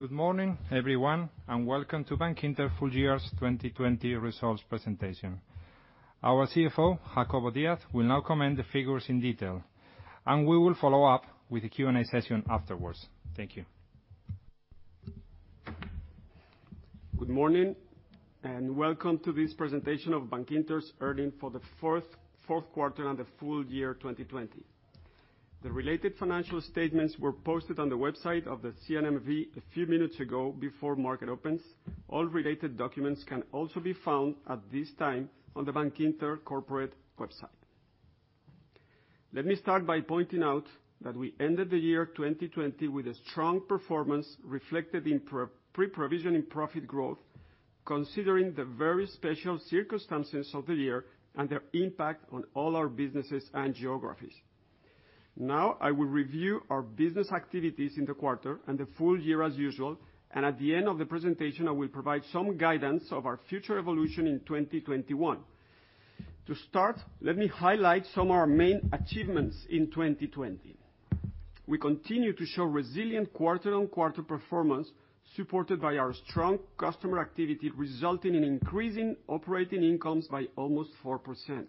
Good morning, everyone, and welcome to Bankinter full year's 2020 results presentation. Our CFO, Jacobo Díaz, will now comment the figures in detail, and we will follow up with a Q&A session afterwards. Thank you. Good morning, and welcome to this presentation of Bankinter's earnings for the fourth quarter and the full year 2020. The related financial statements were posted on the website of the CNMV a few minutes ago, before market opens. All related documents can also be found at this time on the Bankinter corporate website. Let me start by pointing out that we ended the year 2020 with a strong performance reflected in pre-provision in profit growth, considering the very special circumstances of the year and their impact on all our businesses and geographies. Now, I will review our business activities in the quarter and the full year as usual, and at the end of the presentation, I will provide some guidance of our future evolution in 2021. To start, let me highlight some of our main achievements in 2020. We continue to show resilient quarter-on-quarter performance supported by our strong customer activity, resulting in increasing operating income by almost 4%.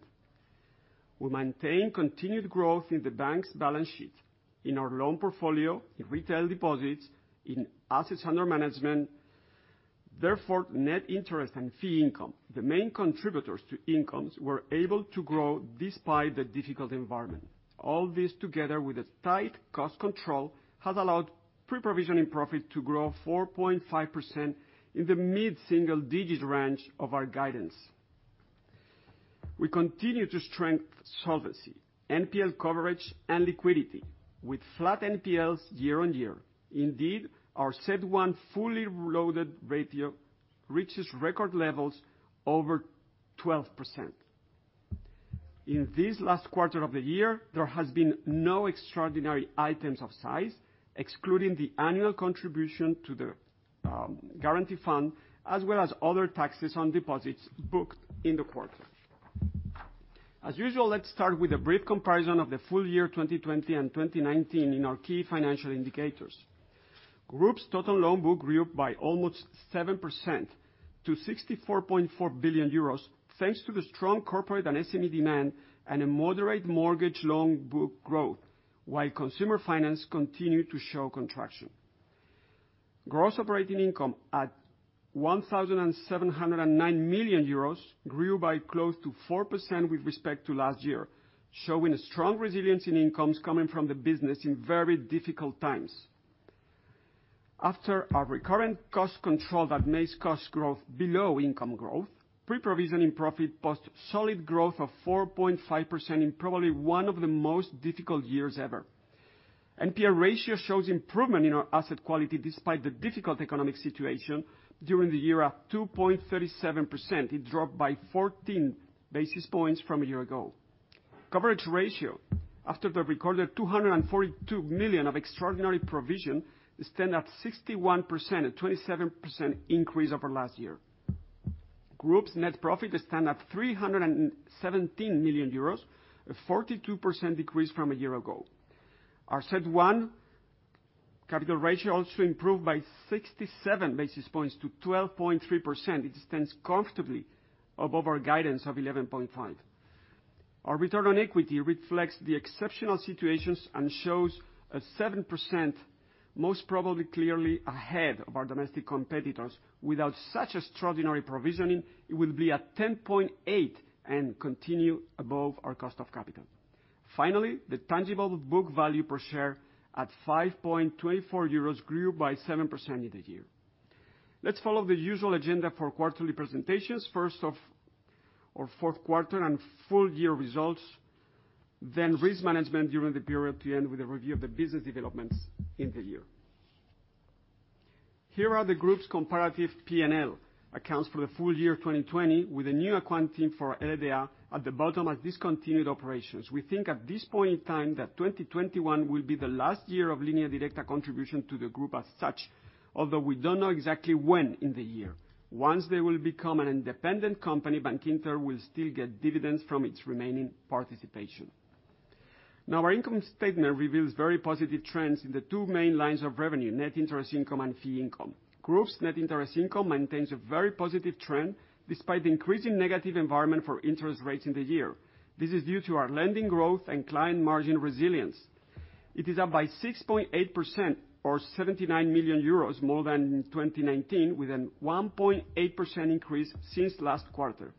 We maintain continued growth in the Bank's balance sheet, in our loan portfolio, in retail deposits, in assets under management. Net interest and fee income, the main contributors to income, were able to grow despite the difficult environment. All this together with a tight cost control, has allowed pre-provision profit to grow 4.5% in the mid-single digit range of our guidance. We continue to strengthen solvency, NPL coverage, and liquidity with flat NPLs year-on-year. Our CET1 fully loaded ratio reaches record levels over 12%. In this last quarter of the year, there has been no extraordinary items of size, excluding the annual contribution to the guarantee fund, as well as other taxes on deposits booked in the quarter. As usual, let's start with a brief comparison of the full year 2020 and 2019 in our key financial indicators. Group's total loan book grew by almost 7% to 64.4 billion euros, thanks to the strong corporate and SME demand, and a moderate mortgage loan book growth, while consumer finance continued to show contraction. Gross operating income at 1,709 million euros, grew by close to 4% with respect to last year, showing a strong resilience in incomes coming from the business in very difficult times. After our recurrent cost control that makes cost growth below income growth, pre-provision profit post solid growth of 4.5% in probably one of the most difficult years ever. NPL ratio shows improvement in our asset quality despite the difficult economic situation during the year of 2.37%. It dropped by 14 basis points from a year ago. Coverage ratio, after the recorded 242 million of extraordinary provision, stands at 61%, a 27% increase over last year. Group's net profit stands at 317 million euros, a 42% decrease from a year ago. Our CET1 capital ratio also improved by 67 basis points to 12.3%. It stands comfortably above our guidance of 11.5%. Our return on equity reflects the exceptional situations and shows a 7%, most probably clearly ahead of our domestic competitors. Without such extraordinary provisioning, it would be at 10.8% and continue above our cost of capital. Finally, the tangible book value per share at 5.24 euros grew by 7% year-over-year. Let's follow the usual agenda for quarterly presentations. First off, our fourth quarter and full year results, then risk management during the period to end with a review of the business developments in the year. Here are the group's comparative P&L accounts for the full year 2020 with a new accounting for LDA at the bottom as discontinued operations. We think at this point in time that 2021 will be the last year of Línea Directa contribution to the group as such, although we don't know exactly when in the year. Once they will become an independent company, Bankinter will still get dividends from its remaining participation. Our income statement reveals very positive trends in the two main lines of revenue, net interest income and fee income. Group's net interest income maintains a very positive trend despite the increasing negative environment for interest rates in the year. This is due to our lending growth and client margin resilience. It is up by 6.8% or 79 million euros, more than 2019, with a 1.8% increase since last quarter.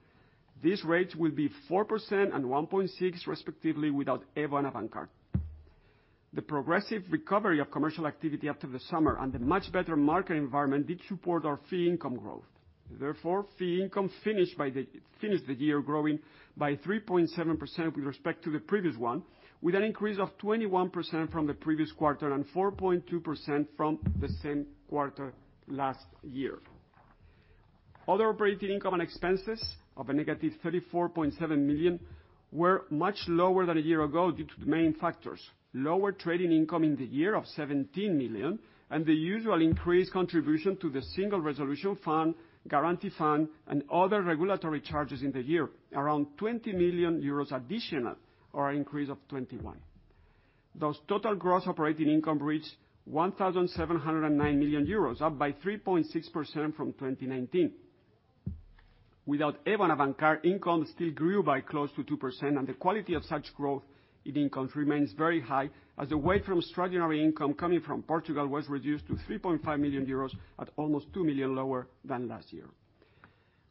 These rates will be 4% and 1.6%, respectively, without EVO and Avantcard. Fee income finished the year growing by 3.7% with respect to the previous one, with an increase of 21% from the previous quarter and 4.2% from the same quarter last year. Other operating income and expenses of a negative 34.7 million were much lower than a year ago due to the main factors: lower trading income in the year of 17 million, and the usual increased contribution to the Single Resolution Fund, guarantee fund, and other regulatory charges in the year, around 20 million euros additional or an increase of 21. Total gross operating income reached 1,709 million euros, up by 3.6% from 2019. Without EVO and Avantcard, income still grew by close to 2%, and the quality of such growth in income remains very high, as the weight from extraordinary income coming from Portugal was reduced to 3.5 million euros, at almost 2 million lower than last year.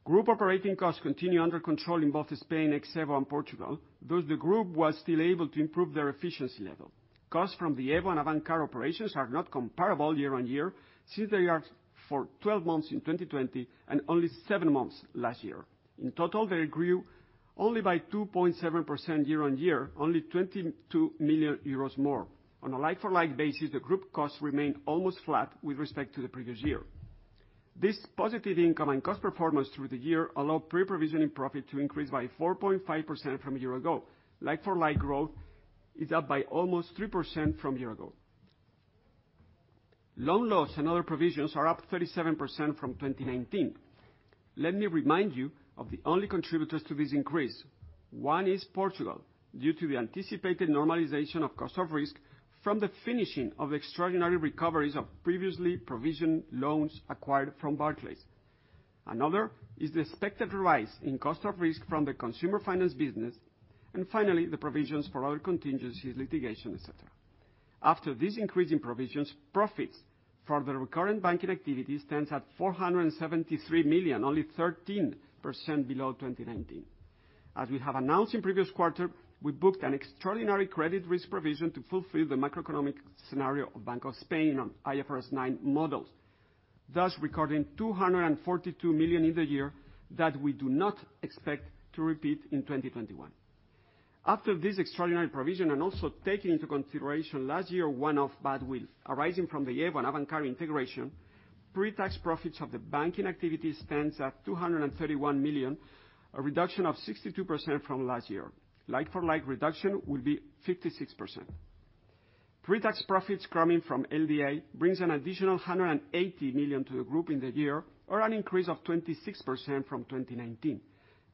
Group operating costs continue under control in both Spain, Except and Portugal. The group was still able to improve their efficiency level. Costs from the EVO and Avantcard operations are not comparable year-on-year, since they are for 12-months in 2020 and only seven months last year. In total, they grew only by 2.7% year-on-year, only 22 million euros more. On a like-for-like basis, the group costs remained almost flat with respect to the previous year. This positive income and cost performance through the year allowed pre-provisioning profit to increase by 4.5% from a year ago. Like-for-like growth is up by almost 3% from a year ago. Loan loss and other provisions are up 37% from 2019. Let me remind you of the only contributors to this increase. One is Portugal, due to the anticipated normalization of cost of risk from the finishing of extraordinary recoveries of previously provisioned loans acquired from Barclays. Another is the expected rise in cost of risk from the consumer finance business. Finally, the provisions for other contingencies, litigation, et cetera. After this increase in provisions, profits from the recurrent banking activities stands at 473 million, only 13% below 2019. As we have announced in previous quarter, we booked an extraordinary credit risk provision to fulfill the macroeconomic scenario of Bank of Spain on IFRS 9 models, thus recording 242 million in the year that we do not expect to repeat in 2021. After this extraordinary provision, and also taking into consideration last year one-off goodwill arising from the EVO and Avantcard integration, pre-tax profits of the banking activity stands at 231 million, a reduction of 62% from last year. Like-for-like reduction will be 56%. Pre-tax profits coming from LDA brings an additional 180 million to the group in the year, or an increase of 26% from 2019.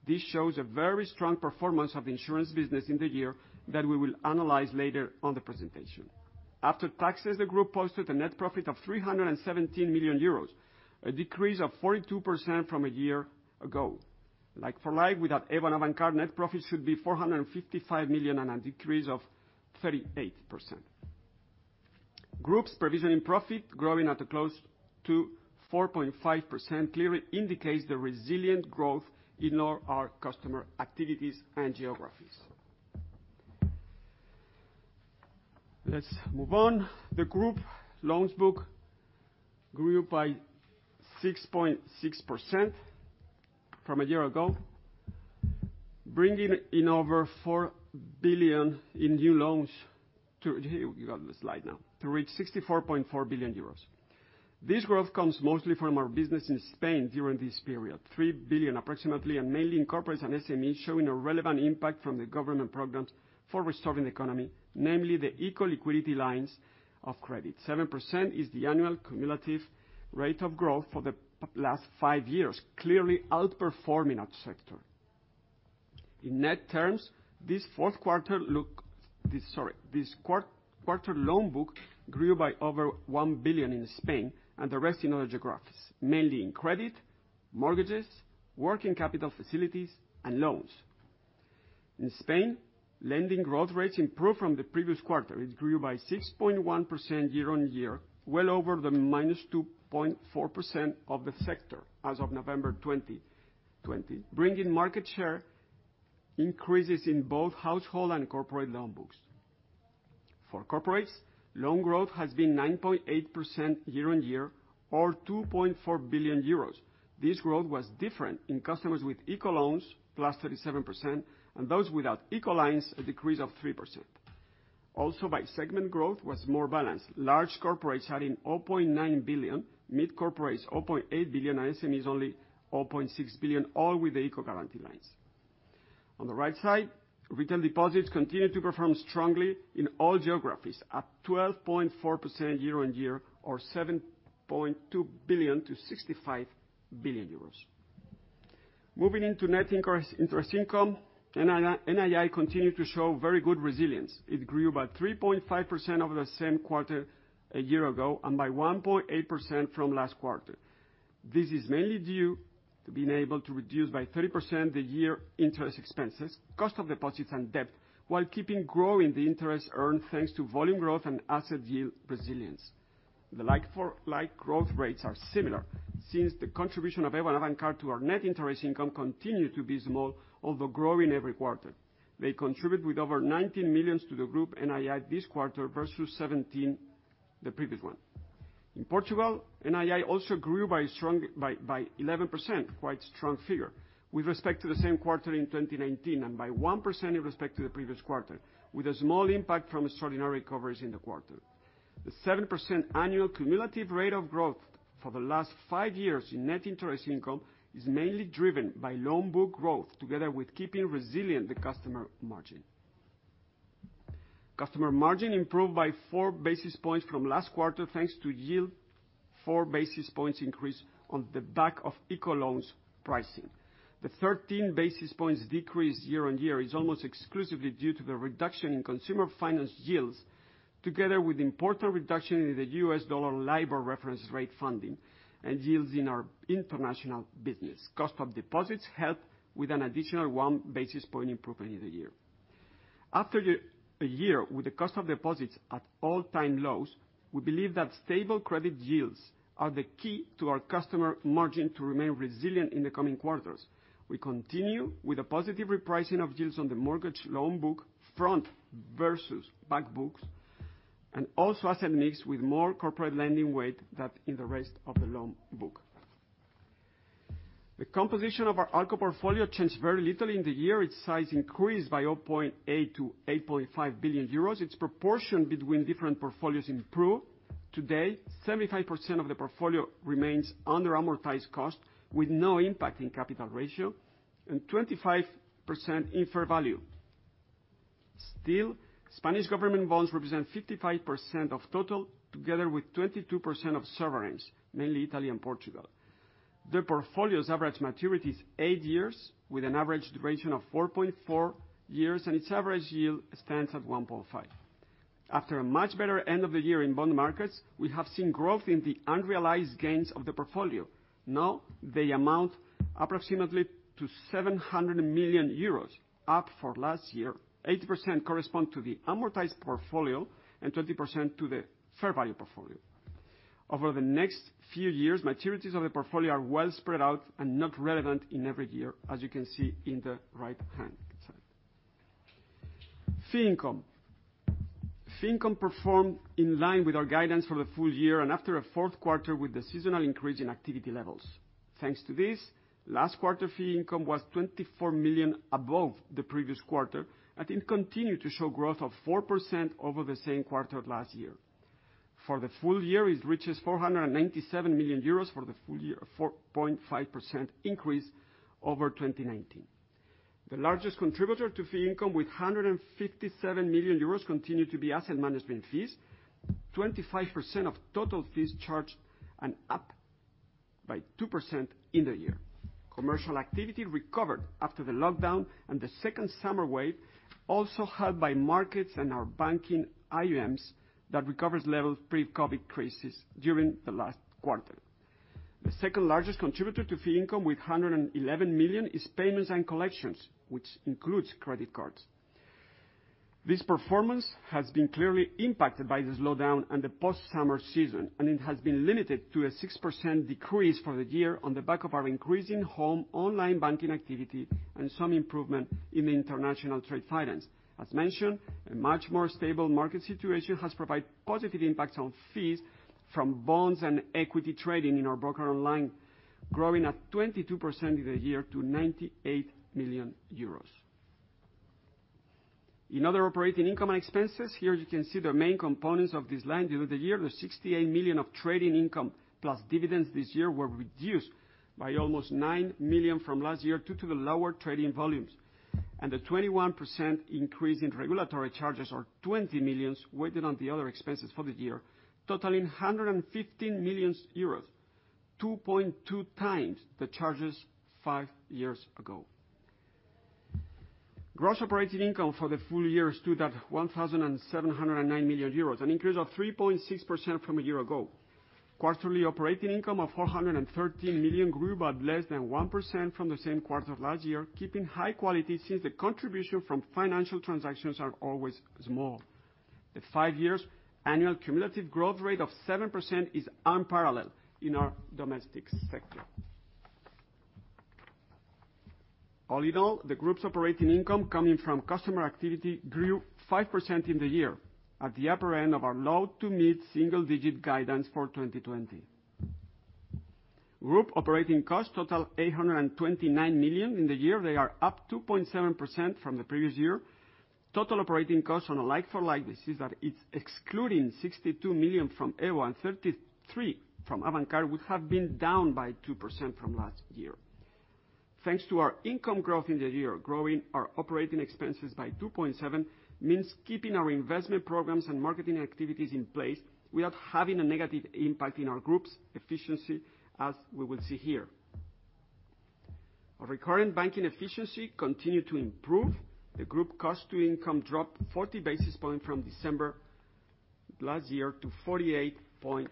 This shows a very strong performance of insurance business in the year that we will analyze later on the presentation. After taxes, the group posted a net profit of 317 million euros, a decrease of 42% from a year ago. Like-for-like without EVO and Avantcard, net profit should be 455 million on a decrease of 38%. Group's provision in profit growing at a close to 4.5% clearly indicates the resilient growth in all our customer activities and geographies. Let's move on. The group loans book grew by 6.6% from a year ago, bringing in over 4 billion in new loans to reach 64.4 billion euros. This growth comes mostly from our business in Spain during this period, 3 billion approximately, and mainly in corporates and SMEs, showing a relevant impact from the government programs for restoring the economy, namely the ICO liquidity lines of credit. 7% is the annual cumulative rate of growth for the last five years, clearly outperforming that sector. In net terms, this quarter loan book grew by over 1 billion in Spain and the rest in other geographies, mainly in credit, mortgages, working capital facilities, and loans. In Spain, lending growth rates improved from the previous quarter. It grew by 6.1% year-on-year, well over the -2.4% of the sector as of November 2020, bringing market share increases in both household and corporate loan books. For corporates, loan growth has been 9.8% year-on-year or 2.4 billion euros. This growth was different in customers with ICO loans, +37%, and those without ICO lines, a decrease of 3%. Also by segment growth was more balanced. Large corporates had an 0.9 billion, mid corporates 0.8 billion, and SMEs only 0.6 billion, all with the ICO guarantee lines. On the right side, retail deposits continued to perform strongly in all geographies, up 12.4% year-on-year or 7.2 billion to 65 billion euros. Moving into net interest income. NII continued to show very good resilience. It grew by 3.5% over the same quarter a year ago and by 1.8% from last quarter. This is mainly due to being able to reduce by 30% the year interest expenses, cost of deposits, and debt while keeping growing the interest earned, thanks to volume growth and asset yield resilience. The like-for-like growth rates are similar since the contribution of EVO and Avantcard to our net interest income continue to be small, although growing every quarter. They contribute with over 19 million to the group NII this quarter versus 17 the previous one. In Portugal, NII also grew by 11%, quite strong figure, with respect to the same quarter in 2019 and by 1% in respect to the previous quarter, with a small impact from extraordinary recoveries in the quarter. The 7% annual cumulative rate of growth for the last five years in net interest income is mainly driven by loan book growth together with keeping resilient the customer margin. Customer margin improved by four basis points from last quarter, thanks to yield. Four basis points increase on the back of ICO loans pricing. The 13 basis points decrease year-on-year is almost exclusively due to the reduction in consumer finance yields, together with important reduction in the US dollar LIBOR reference rate funding and yields in our international business. Cost of deposits helped with an additional one basis point improvement in the year. After a year with the cost of deposits at all-time lows, we believe that stable credit yields are the key to our customer margin to remain resilient in the coming quarters. We continue with a positive repricing of yields on the mortgage loan book, front versus back books, and also asset mix with more corporate lending weight than in the rest of the loan book. The composition of our ALCO portfolio changed very little in the year. Its size increased by 8.8% to 8.5 billion euros. Its proportion between different portfolios improved. Today, 75% of the portfolio remains under amortized cost, with no impact in capital ratio, and 25% in fair value. Still, Spanish government bonds represent 55% of total, together with 22% of sovereigns, mainly Italy and Portugal. The portfolio's average maturity is eight years, with an average duration of 4.4-years, and its average yield stands at 1.5%. After a much better end of the year in bond markets, we have seen growth in the unrealized gains of the portfolio. Now they amount approximately to 700 million euros, up for last year. 80% correspond to the amortized portfolio and 20% to the fair value portfolio. Over the next few years, maturities of the portfolio are well spread out and not relevant in every year, as you can see in the right-hand side. Fee income. Fee income performed in line with our guidance for the full year, and after a fourth quarter with a seasonal increase in activity levels. Thanks to this, last quarter fee income was 24 million above the previous quarter, and it continued to show growth of 4% over the same quarter last year. For the full year, it reaches 497 million euros, a 4.5% increase over 2019. The largest contributor to fee income, with 157 million euros, continued to be asset management fees, 25% of total fees charged and up by 2% in the year. Commercial activity recovered after the lockdown, and the second summer wave, also helped by markets and our banking AUMs that recovers levels pre-COVID crisis during the last quarter. The second-largest contributor to fee income with 111 million is payments and collections, which includes credit cards. This performance has been clearly impacted by the slowdown and the post-summer season, it has been limited to a 6% decrease for the year on the back of our increasing home online banking activity and some improvement in the international trade finance. As mentioned, a much more stable market situation has provided positive impacts on fees from bonds and equity trading in our broker online, growing at 22% in the year to 98 million euros. In other operating income expenses, here you can see the main components of this line during the year. The 68 million of trading income plus dividends this year were reduced by almost 9 million from last year due to the lower trading volumes, the 21% increase in regulatory charges or 20 million weighted on the other expenses for the year, totaling 115 million euros, 2.2 times the charges five years ago. Gross operating income for the full year stood at 1,709 million euros, an increase of 3.6% from a year ago. Quarterly operating income of 413 million grew by less than 1% from the same quarter of last year, keeping high quality since the contribution from financial transactions are always small. At five years, annual cumulative growth rate of 7% is unparalleled in our domestic sector. All in all, the group's operating income coming from customer activity grew 5% in the year, at the upper end of our low-to-mid single-digit guidance for 2020. Group operating costs total 829 million in the year. They are up 2.7% from the previous year. Total operating costs on a like-for-like basis that is excluding 62 million from EVO and 33 million from Avantcard would have been down by 2% from last year. Thanks to our income growth in the year, growing our operating expenses by 2.7% means keeping our investment programs and marketing activities in place without having a negative impact in our group's efficiency, as we will see here. Our recurrent banking efficiency continued to improve. The group cost to income dropped 40 basis points from December last year to 48.5%.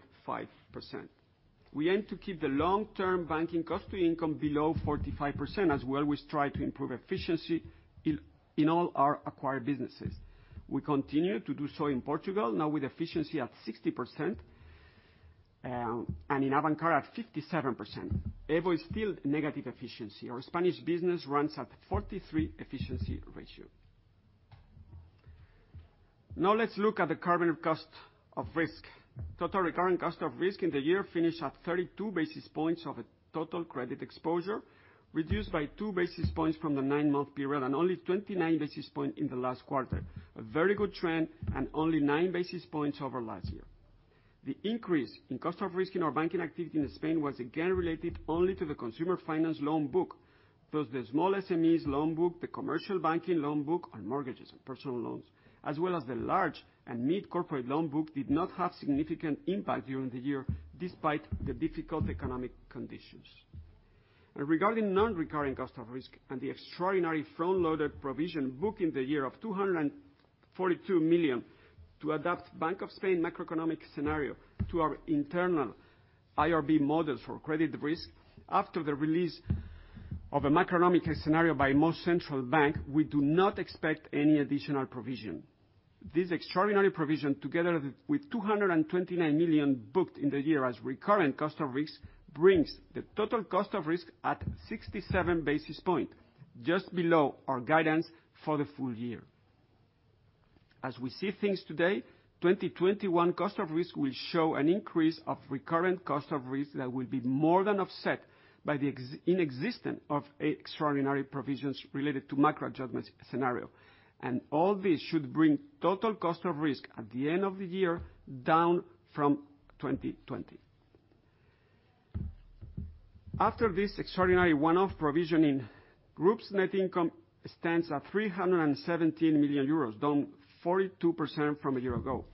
We aim to keep the long-term banking cost to income below 45% as we always try to improve efficiency in all our acquired businesses. We continue to do so in Portugal, now with efficiency at 60%, and in Avantcard at 57%. EVO is still negative efficiency. Our Spanish business runs at 43% efficiency ratio. Now let's look at the current cost of risk. Total recurring cost of risk in the year finished at 32 basis points of a total credit exposure, reduced by two basis points from the nine month period and only 29 basis point in the last quarter. A very good trend and only nine basis points over last year. The increase in cost of risk in our banking activity in Spain was again related only to the consumer finance loan book. The small SMEs loan book, the commercial banking loan book, and mortgages and personal loans, as well as the large and mid-corporate loan book, did not have significant impact during the year, despite the difficult economic conditions. Regarding non-recurring cost of risk and the extraordinary front-loaded provision book in the year of 242 million to adapt Bank of Spain macroeconomic scenario to our internal IRB models for credit risk. After the release of a macroeconomic scenario by most central bank, we do not expect any additional provision. This extraordinary provision, together with 229 million booked in the year as recurring cost of risk, brings the total cost of risk at 67 basis points, just below our guidance for the full year. As we see things today, 2021 cost of risk will show an increase of recurring cost of risk that will be more than offset by the inexistence of extraordinary provisions related to macroeconomic scenario. All this should bring total cost of risk at the end of the year down from 2020. After this extraordinary one-off provision in groups, net income stands at 317 million euros, down 42% from a year ago.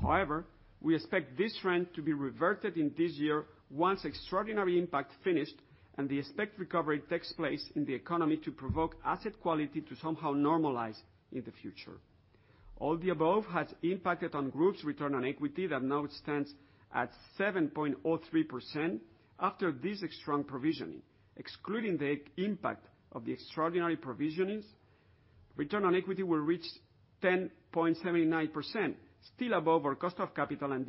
However, we expect this trend to be reverted in this year once extraordinary impact finished and the expected recovery takes place in the economy to provoke asset quality to somehow normalize in the future. All the above has impacted on group's return on equity that now stands at 7.03%. After this strong provisioning, excluding the impact of the extraordinary provisionings, return on equity will reach 10.79%, still above our cost of capital and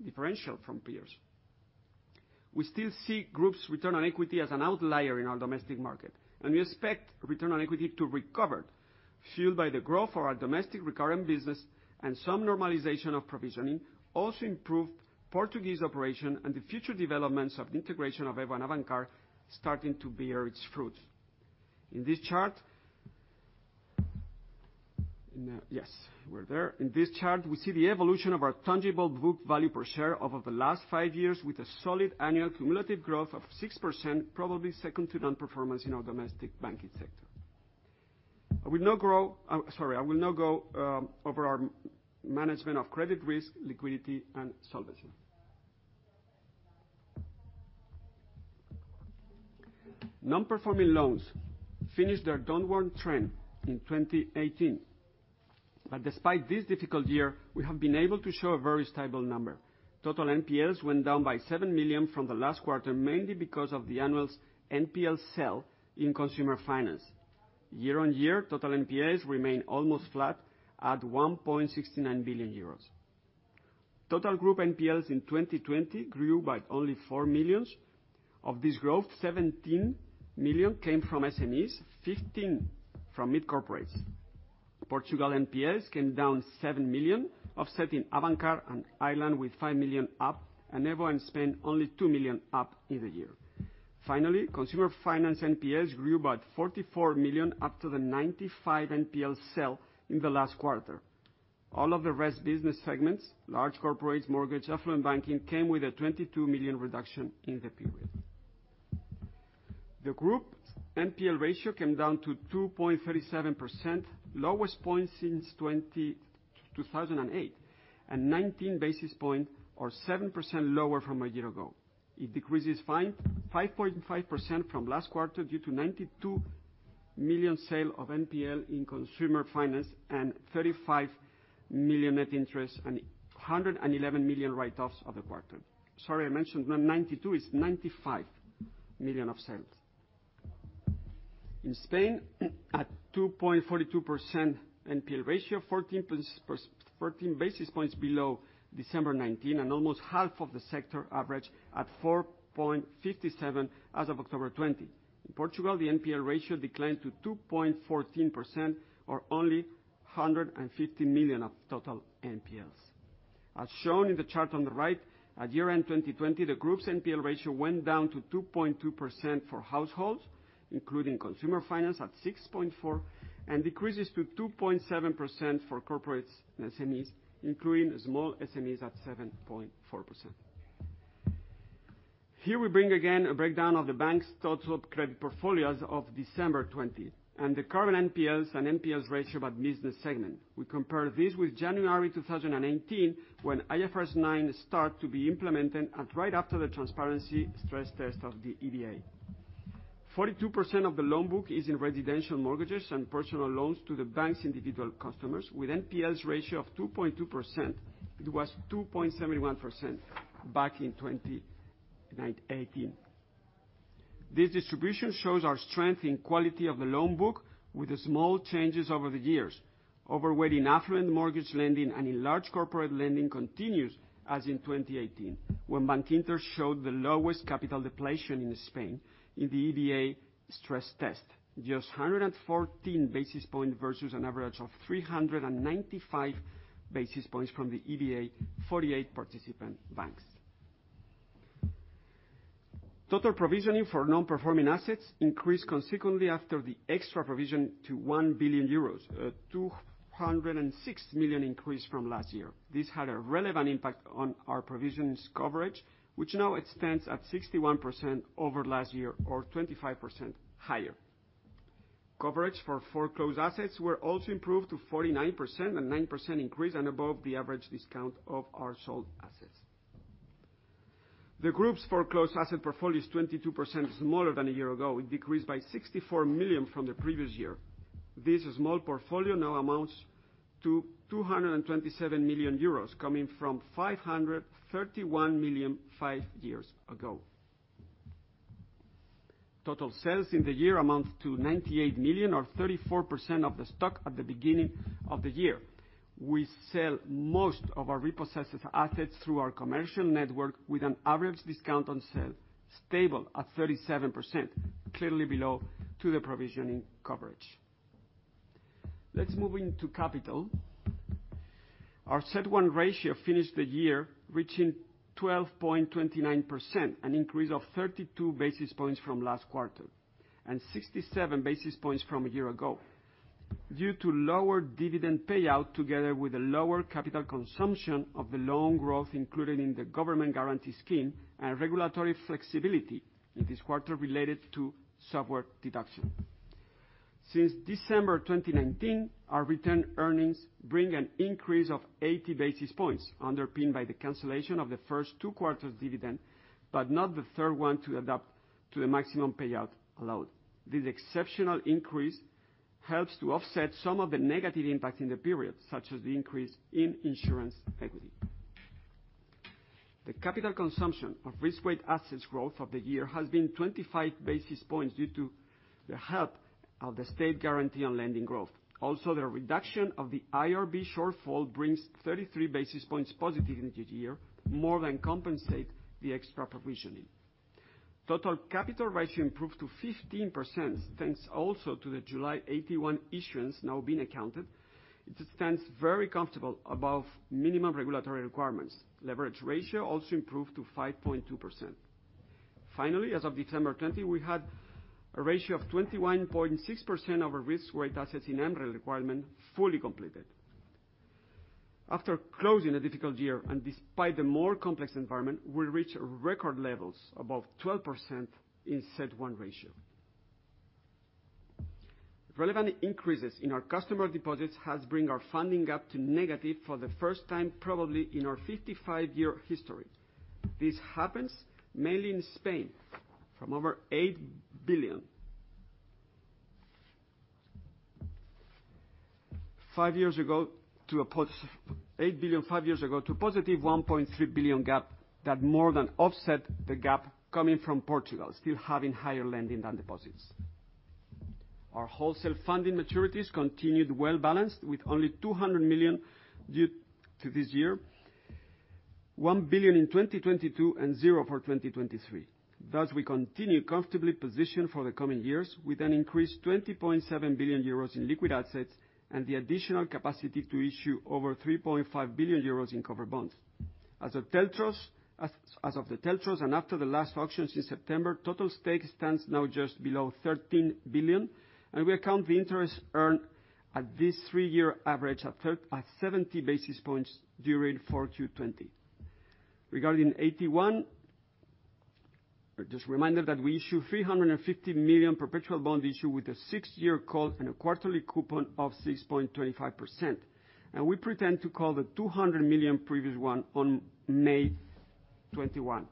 differential from peers. We still see group's return on equity as an outlier in our domestic market. We expect return on equity to recover, fueled by the growth for our domestic recurring business and some normalization of provisioning, also improved Portuguese operation and the future developments of the integration of EVO and Avantcard starting to bear its fruit. In this chart, we see the evolution of our tangible book value per share over the last five years, with a solid annual cumulative growth of 6%, probably second to none performance in our domestic banking sector. I will now go over our management of credit risk, liquidity, and solvency. Non-performing loans finished their downward trend in 2018. Despite this difficult year, we have been able to show a very stable number. Total NPLs went down by 7 million from the last quarter, mainly because of the annual NPL sale in consumer finance. Year on year, total NPLs remain almost flat at 1.69 billion euros. Total group NPLs in 2020 grew by only 4 million. Of this growth, 17 million came from SMEs, 15 from mid-corporates. Portugal NPLs came down 7 million, offsetting Avantcard and Ireland with 5 million up, and EVO and Spain only 2 million up in the year. Finally, consumer finance NPLs grew by 44 million up to the 95 million NPL sale in the last quarter. All of the rest business segments, large corporates, mortgage, affluent banking, came with a 22 million reduction in the period. The group NPL ratio came down to 2.37%, lowest point since 2008, and 19 basis points or 7% lower from a year ago. It decreases 5.5% from last quarter due to 92 million sale of NPL in consumer finance and 35 million net interest and 111 million write-offs of the quarter. Sorry, I mentioned not 92 million, it is 95 million of sales. In Spain, at 2.42% NPL ratio, 14 basis points below December 2019, and almost half of the sector average at 4.57% as of October 2020. In Portugal, the NPL ratio declined to 2.14%, or only 150 million of total NPLs. As shown in the chart on the right, at year-end 2020, the group's NPL ratio went down to 2.2% for households, including consumer finance at 6.4%, and decreases to 2.7% for corporates and SMEs, including small SMEs at 7.4%. Here we bring again a breakdown of the bank's total credit portfolios of December 20, and the current NPLs and NPLs ratio by business segment. We compare this with January 2018, when IFRS 9 start to be implemented right after the transparency stress test of the EBA. 42% of the loan book is in residential mortgages and personal loans to the bank's individual customers, with NPLs ratio of 2.2%. It was 2.71% back in 2018. This distribution shows our strength in quality of the loan book with small changes over the years. Overweighting affluent mortgage lending and in large corporate lending continues as in 2018, when Bankinter showed the lowest capital depletion in Spain in the EBA stress test, just 114 basis points versus an average of 395 basis points from the EBA 48 participant banks. Total provisioning for non-performing assets increased consequently after the extra provision to 1 billion euros, a 206 million increase from last year. This had a relevant impact on our provisions coverage, which now extends at 61% over last year or 25% higher. Coverage for foreclosed assets were also improved to 49%, a 9% increase, and above the average discount of our sold assets. The group's foreclosed asset portfolio is 22% smaller than a year ago. It decreased by 64 million from the previous year. This small portfolio now amounts to 227 million euros, coming from 531 million five years ago. Total sales in the year amount to 98 million, or 34% of the stock at the beginning of the year. We sell most of our repossessed assets through our commercial network with an average discount on sale, stable at 37%, clearly below to the provisioning coverage. Let's move into capital. Our CET1 ratio finished the year reaching 12.29%, an increase of 32 basis points from last quarter, and 67 basis points from a year ago. Due to lower dividend payout together with a lower capital consumption of the loan growth included in the government guarantee scheme and regulatory flexibility in this quarter related to software deduction. Since December 2019, our return earnings bring an increase of 80 basis points, underpinned by the cancellation of the first two quarters dividend, but not the third one to adapt to the maximum payout allowed. This exceptional increase helps to offset some of the negative impact in the period, such as the increase in insurance equity. The capital consumption of risk-weighted assets growth of the year has been 25 basis points due to the help of the state guarantee on lending growth. Also, the reduction of the IRB shortfall brings 33 basis points positive in this year, more than compensate the extra provisioning. Total capital ratio improved to 15%, thanks also to the July AT1 issuance now being accounted. It stands very comfortable above minimum regulatory requirements. Leverage ratio also improved to 5.2%. Finally, as of December 20, we had a ratio of 21.6% of our risk-weighted assets in MREL requirement fully completed. After closing a difficult year and despite the more complex environment, we reach record levels above 12% in CET1 ratio. Relevant increases in our customer deposits has bring our funding gap to negative for the first time probably in our 55-year history. This happens mainly in Spain from over 8 billion five years ago to positive 1.3 billion gap that more than offset the gap coming from Portugal, still having higher lending than deposits. Our wholesale funding maturities continued well-balanced with only 200 million due to this year, 1 billion in 2022, and zero for 2023. Thus, we continue comfortably positioned for the coming years with an increased 20.7 billion euros in liquid assets and the additional capacity to issue over 3.5 billion euros in cover bonds. As of the TLTROs, and after the last auctions in September, total stake stands now just below 13 billion, and we account the interest earned at this three year average at 70 basis points during 4Q 2020. Regarding AT1, just a reminder that we issue 350 million perpetual bond issue with a six year call and a quarterly coupon of 6.25%. We intend to call the 200 million previous one on May 21.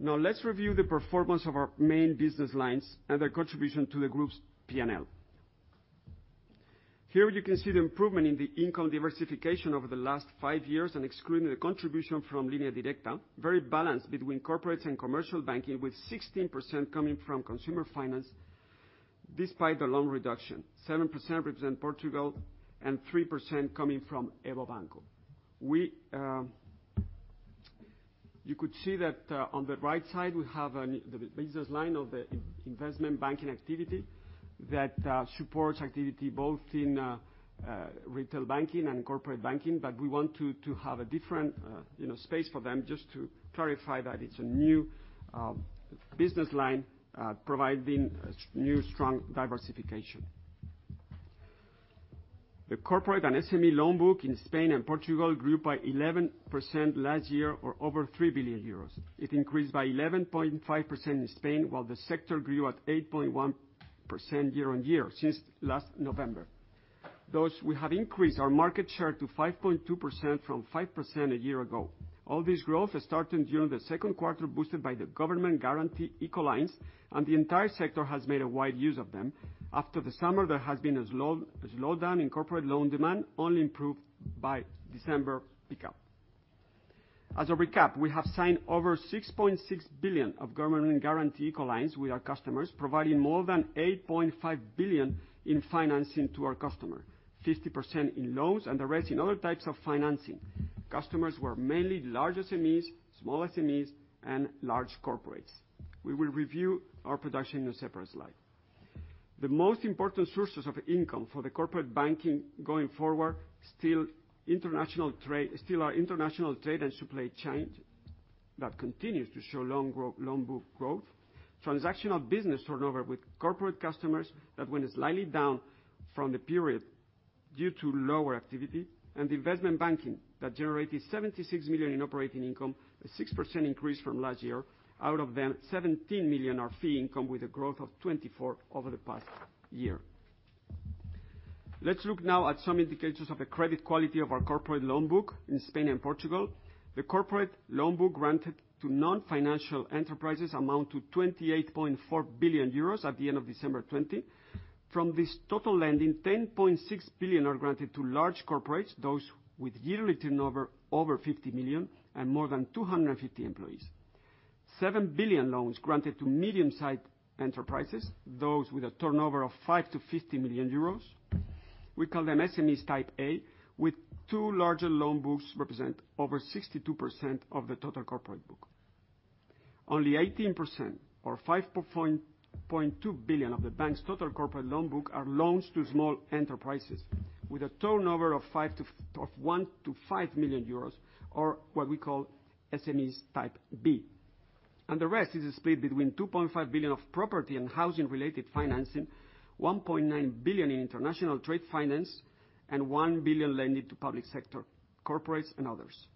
Now let's review the performance of our main business lines and their contribution to the group's P&L. Here you can see the improvement in the income diversification over the last five years excluding the contribution from Línea Directa, very balanced between corporates and commercial banking, with 16% coming from consumer finance despite the loan reduction, 7% represent Portugal, and 3% coming from EVO Banco. You could see that on the right side, we have the business line of the investment banking activity that supports activity both in retail banking and corporate banking, but we want to have a different space for them just to clarify that it's a new business line providing new strong diversification. The corporate and SME loan book in Spain and Portugal grew by 11% last year or over 3 billion euros. It increased by 11.5% in Spain, while the sector grew at 8.1% year-on-year since last November. Thus, we have increased our market share to 5.2% from 5% a year ago. All this growth has started during the second quarter, boosted by the government guarantee ICO lines, and the entire sector has made a wide use of them. After the summer, there has been a slowdown in corporate loan demand, only improved by December pickup. As a recap, we have signed over 6.6 billion of government guarantee ICO lines with our customers, providing more than 8.5 billion in financing to our customer, 50% in loans and the rest in other types of financing. Customers were mainly large SMEs, small SMEs, and large corporates. We will review our production in a separate slide. The most important sources of income for the corporate banking going forward, still our international trade and supply chain that continues to show loan book growth. Transactional business turnover with corporate customers that went slightly down from the period due to lower activity, and investment banking that generated 76 million in operating income, a 6% increase from last year. Out of them, 17 million are fee income with a growth of 24% over the past year. Let's look now at some indicators of the credit quality of our corporate loan book in Spain and Portugal. The corporate loan book granted to non-financial enterprises amount to 28.4 billion euros at the end of December 2020. From this total lending, 10.6 billion are granted to large corporates, those with yearly turnover over 50 million and more than 250 employees. 7 billion loans granted to medium-sized enterprises, those with a turnover of 5 million-50 million euros. We call them SMEs type A, with two larger loan books represent over 62% of the total corporate book. Only 18% or 5.2 billion of the bank's total corporate loan book are loans to small enterprises with a turnover of 1 million-5 million euros, or what we call SMEs type B. The rest is split between 2.5 billion of property and housing-related financing, 1.9 billion in international trade finance, and 1 billion lending to public sector corporates and others.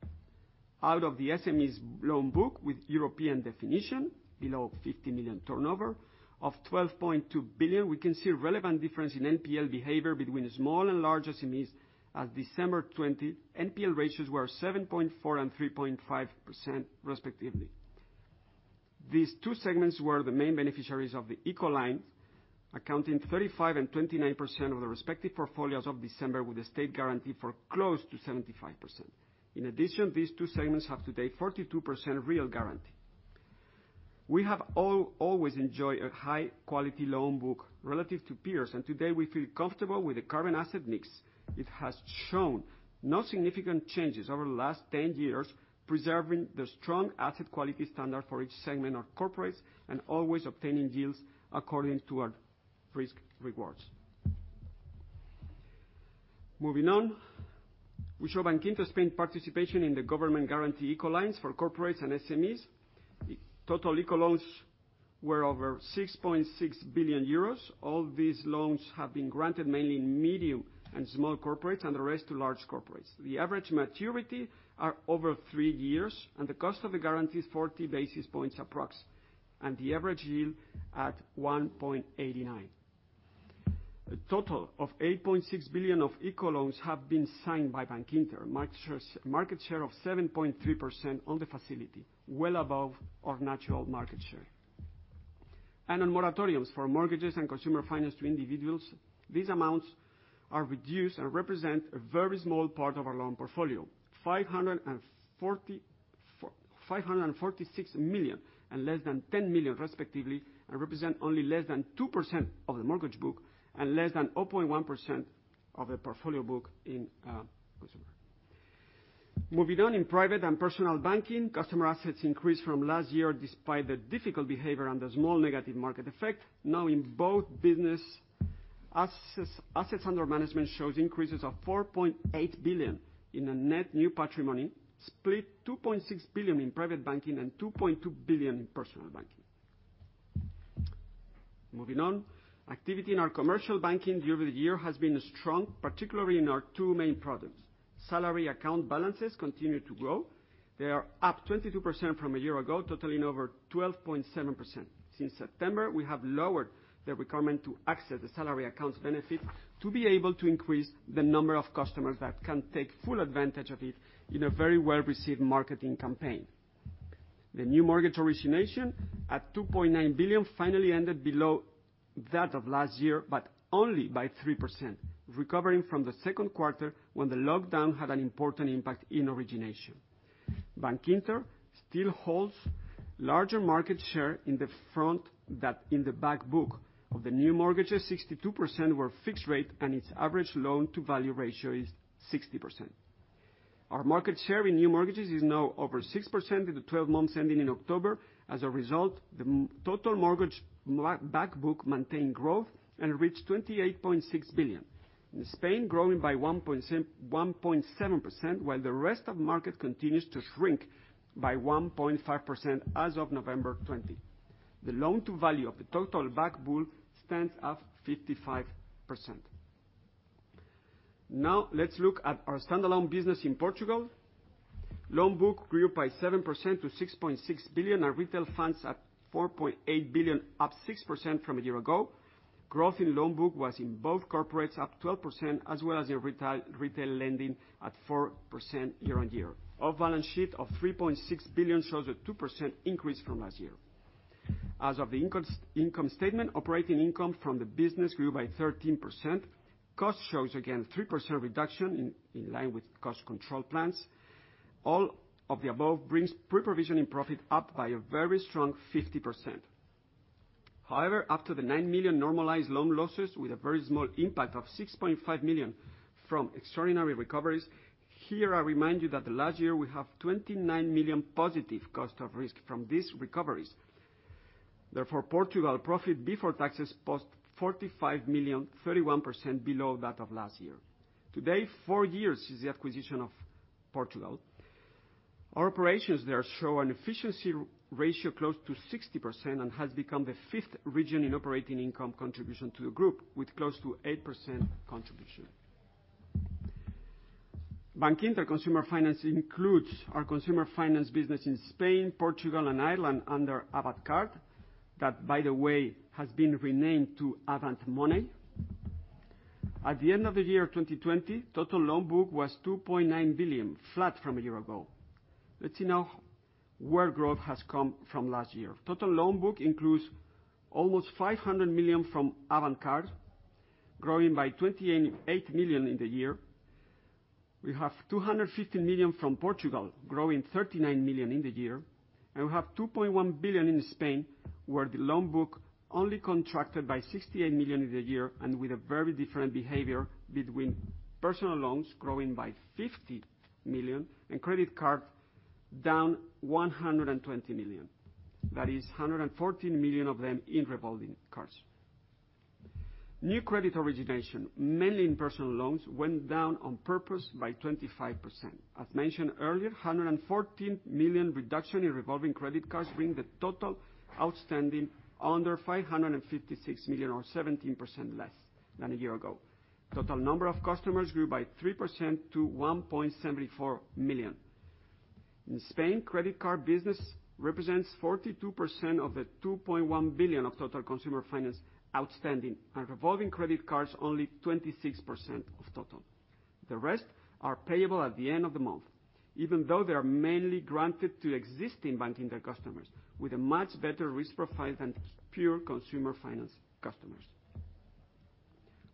Out of the SMEs loan book with European definition, below 50 million turnover, of 12.2 billion, we can see relevant difference in NPL behavior between small and large SMEs. As December 20, NPL ratios were 7.4% and 3.5% respectively. These two segments were the main beneficiaries of the ICO line, accounting 35% and 29% of the respective portfolios of December with a state guarantee for close to 75%. In addition, these two segments have today 42% real guarantee. We have always enjoyed a high-quality loan book relative to peers, and today we feel comfortable with the current asset mix. It has shown no significant changes over the last 10-years, preserving the strong asset quality standard for each segment of corporates and always obtaining yields according to our risk rewards. Moving on. We show Bankinter Spain participation in the government guarantee ICO lines for corporates and SMEs. Total ICO loans were over 6.6 billion euros. All these loans have been granted mainly in medium and small corporates, and the rest to large corporates. The average maturity are over three years, and the cost of the guarantee is 40 basis points approx, and the average yield at 1.89%. A total of 8.6 billion of ICO loans have been signed by Bankinter, market share of 7.3% on the facility, well above our natural market share. On moratoriums for mortgages and consumer finance to individuals, these amounts are reduced and represent a very small part of our loan portfolio, 546 million and less than 10 million respectively, and represent only less than 2% of the mortgage book and less than 0.1% of the portfolio book in consumer. Moving on, in private and personal banking, customer assets increased from last year despite the difficult behavior and the small negative market effect. Now in both business, assets under management shows increases of 4.8 billion in a net new patrimony, split 2.6 billion in private banking and 2.2 billion in personal banking. Moving on. Activity in our commercial banking during the year has been strong, particularly in our two main products. Salary account balances continue to grow. They are up 22% from a year ago, totaling over 12.7%. Since September, we have lowered the requirement to access the salary accounts benefit to be able to increase the number of customers that can take full advantage of it in a very well-received marketing campaign. The new mortgage origination at 2.9 billion finally ended below that of last year, but only by 3%, recovering from the second quarter when the lockdown had an important impact in origination. Bankinter still holds larger market share in the front than in the back book. Of the new mortgages, 62% were fixed rate, and its average loan-to-value ratio is 60%. Our market share in new mortgages is now over 6% in the 12-months ending in October. As a result, the total mortgage back book maintained growth and reached 28.6 billion, in Spain growing by 1.7%, while the rest of market continues to shrink by 1.5% as of November 20. The loan-to-value of the total back book stands at 55%. Let's look at our standalone business in Portugal. Loan book grew by 7% to EUR 6.6 billion, our retail funds at EUR 4.8 billion, up 6% from a year ago. Growth in loan book was in both corporates up 12%, as well as in retail lending at 4% year-on-year. Our balance sheet of 3.6 billion shows a 2% increase from last year. As of the income statement, operating income from the business grew by 13%. Cost shows again 3% reduction in line with cost control plans. All of the above brings pre-provision in profit up by a very strong 50%. However, after the 9 million normalized loan losses with a very small impact of 6.5 million from extraordinary recoveries. Here, I remind you that last year we have 29 million positive cost of risk from these recoveries. Portugal profit before taxes post 45 million, 31% below that of last year. Today, four years since the acquisition of Portugal, our operations there show an efficiency ratio close to 60% and has become the fifth region in operating income contribution to the group, with close to 8% contribution. Bankinter Consumer Finance includes our consumer finance business in Spain, Portugal, and Ireland under Avantcard, that, by the way, has been renamed to Avant Money. At the end of the year 2020, total loan book was 2.9 billion, flat from a year ago. Let's see now where growth has come from last year. Total loan book includes almost 500 million from Avantcard, growing by 28 million in the year. We have 250 million from Portugal, growing 39 million in the year. We have 2.1 billion in Spain, where the loan book only contracted by 68 million in the year, with a very different behavior between personal loans growing by 50 million, and credit card down 120 million. That is 114 million of them in revolving cards. New credit origination, mainly in personal loans, went down on purpose by 25%. As mentioned earlier, 114 million reduction in revolving credit cards bring the total outstanding under 556 million, or 17% less than a year ago. Total number of customers grew by 3% to 1.74 million. In Spain, credit card business represents 42% of the 2.1 billion of total consumer finance outstanding, and revolving credit cards only 26% of total. The rest are payable at the end of the month, even though they are mainly granted to existing Bankinter customers, with a much better risk profile than pure consumer finance customers.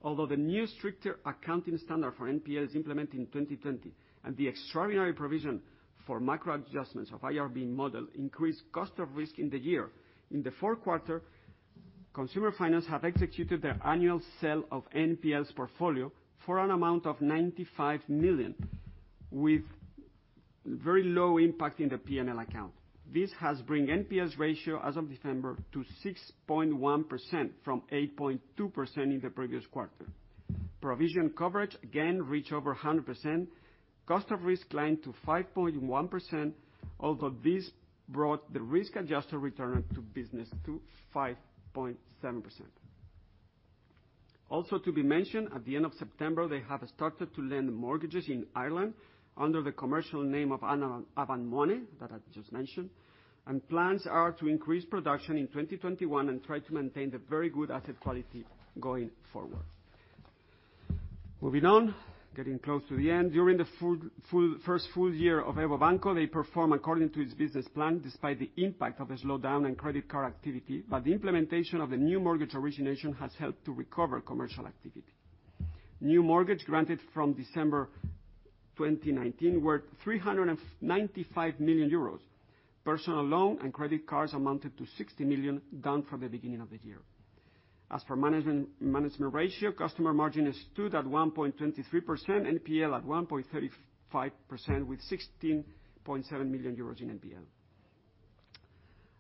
Although the new stricter accounting standard for NPLs implemented in 2020, and the extraordinary provision for macro adjustments of IRB model increased cost of risk in the year. In the fourth quarter, consumer finance have executed their annual sale of NPLs portfolio for an amount of 95 million, with very low impact in the P&L account. This has bring NPLs ratio as of December to 6.1% from 8.2% in the previous quarter. Provision coverage again reached over 100%. Cost of risk declined to 5.1%, although this brought the risk-adjusted return to business to 5.7%. To be mentioned, at the end of September, they have started to lend mortgages in Ireland under the commercial name of Avant Money, that I just mentioned. Plans are to increase production in 2021 and try to maintain the very good asset quality going forward. Moving on, getting close to the end. During the first full-year of EVO Banco, they perform according to its business plan, despite the impact of a slowdown in credit card activity. The implementation of the new mortgage origination has helped to recover commercial activity. New mortgage granted from December 2019 were 395 million euros. Personal loan and credit cards amounted to 60 million, down from the beginning of the year. As for management ratio, customer margin stood at 1.23%, NPL at 1.35% with 16.7 million euros in NPL.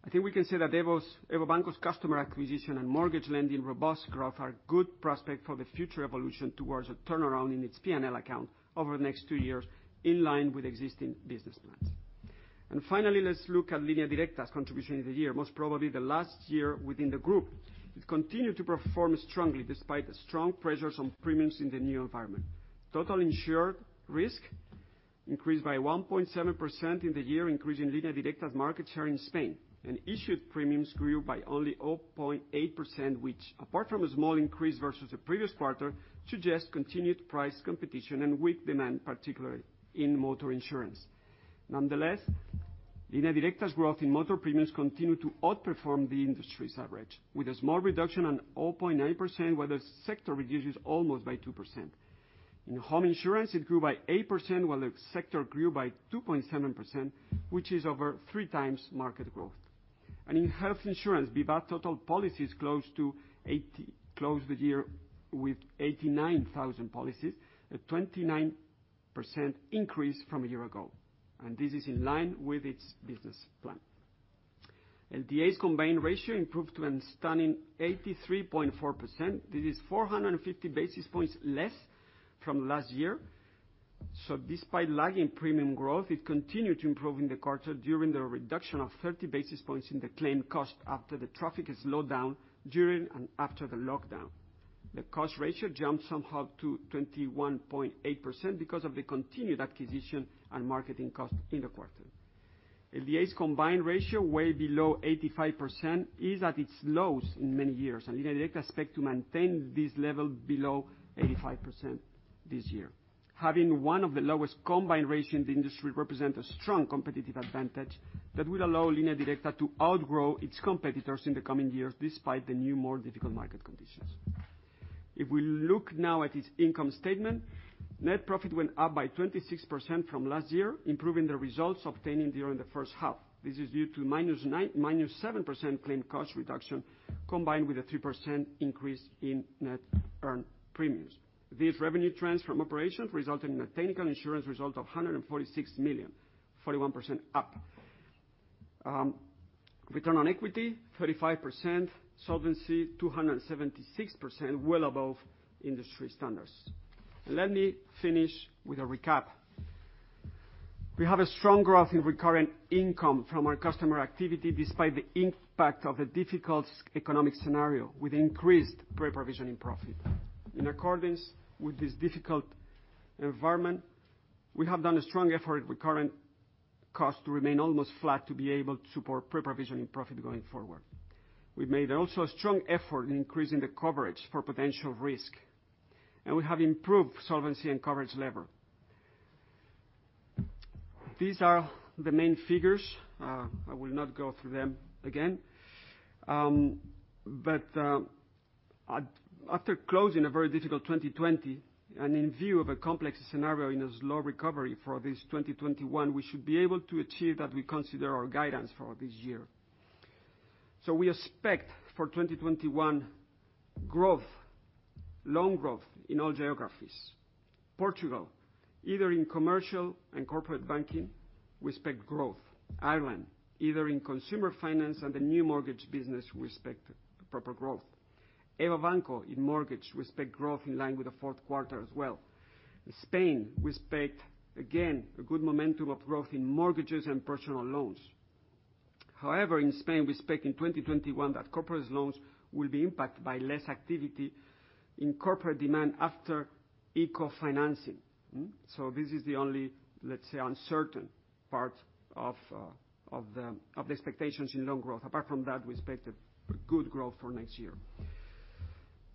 I think we can say that EVO Banco's customer acquisition and mortgage lending robust growth are good prospect for the future evolution towards a turnaround in its P&L account over the next two years, in line with existing business plans. Finally, let's look at Línea Directa's contribution to the year, most probably the last year within the group. It continued to perform strongly despite strong pressures on premiums in the new environment. Total insured risk increased by 1.7% in the year, increasing Línea Directa's market share in Spain. Issued premiums grew by only 0.8%, which apart from a small increase versus the previous quarter, suggests continued price competition and weak demand, particularly in motor insurance. Nonetheless, Línea Directa's growth in motor premiums continued to outperform the industry's average, with a small reduction on 0.8%, while the sector reduces almost by 2%. In home insurance, it grew by 8%, while the sector grew by 2.7%, which is over three times market growth. In health insurance, Vivaz total policies closed the year with 89,000 policies, a 29% increase from a year ago. This is in line with its business plan. LDA's combined ratio improved to an stunning 83.4%. This is 450 basis points less from last year. Despite lagging premium growth, it continued to improve in the quarter during the reduction of 30 basis points in the claim cost after the traffic slowed down during and after the lockdown. The cost ratio jumped somehow to 21.8% because of the continued acquisition and marketing cost in the quarter. LDA's combined ratio, way below 85%, is at its lowest in many years, and Línea Directa expect to maintain this level below 85% this year. Having one of the lowest combined ratio in the industry represent a strong competitive advantage that will allow Línea Directa to outgrow its competitors in the coming years, despite the new, more difficult market conditions. If we look now at its income statement, net profit went up by 26% from last year, improving the results obtained during the first half. This is due to -7% claim cost reduction, combined with a 3% increase in net earned premiums. These revenue trends from operations resulted in a technical insurance result of 146 million, 41% up. Return on equity 35%, solvency 276%, well above industry standards. Let me finish with a recap. We have a strong growth in recurrent income from our customer activity, despite the impact of the difficult economic scenario with increased pre-provision in profit. In accordance with this difficult environment, we have done a strong effort with current cost to remain almost flat to be able to support pre-provision in profit going forward. We've made also a strong effort in increasing the coverage for potential risk. We have improved solvency and coverage level. These are the main figures. I will not go through them again. After closing a very difficult 2020, and in view of a complex scenario in a slow recovery for this 2021, we should be able to achieve that we consider our guidance for this year. We expect for 2021, loan growth in all geographies. Portugal, either in commercial and corporate banking, we expect growth. Ireland, either in consumer finance and the new mortgage business, we expect proper growth. EVO Banco in mortgage, we expect growth in line with the fourth quarter as well. Spain, we expect, again, a good momentum of growth in mortgages and personal loans. However, in Spain, we expect in 2021 that corporate loans will be impacted by less activity in corporate demand after ICO financing. This is the only, let's say, uncertain part of the expectations in loan growth. Apart from that, we expect a good growth for next year.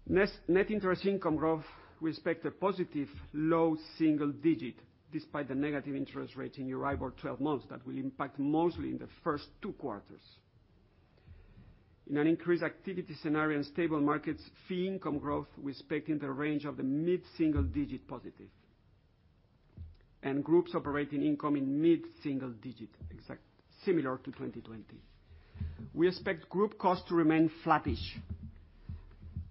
Net interest income growth, we expect a positive low single digit despite the negative interest rate in Euribor 12-months, that will impact mostly in the first two quarters. In an increased activity scenario and stable markets, fee income growth, we expect in the range of the mid-single digit positive. Group's operating income in mid-single digit, similar to 2020. We expect group costs to remain flattish.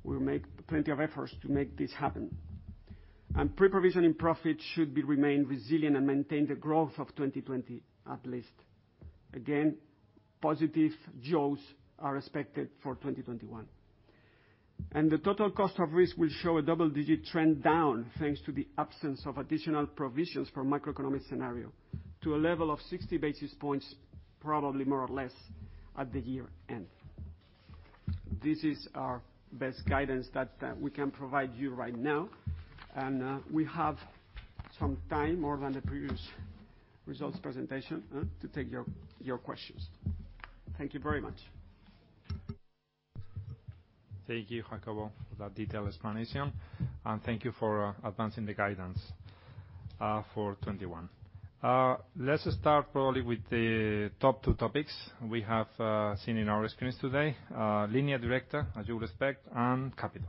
We'll make plenty of efforts to make this happen. Pre-provisioning profit should remain resilient and maintain the growth of 2020 at least. Again, positive jaws are expected for 2021. The total cost of risk will show a double-digit trend down, thanks to the absence of additional provisions for macroeconomic scenario, to a level of 60 basis points, probably more or less at the year-end. This is our best guidance that we can provide you right now. We have some time, more than the previous results presentation, to take your questions. Thank you very much. Thank you, Jacobo, for that detailed explanation, thank you for advancing the guidance for 2021. Let's start probably with the top two topics we have seen in our screens today. Línea Directa, as you'll expect, and capital.